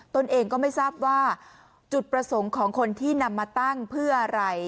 ตนเองก็ไม่ทราบว่าจุดประสงค์ของคนที่นำมาตั้งเพื่ออะไร